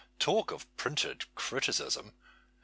Talk of printed criticism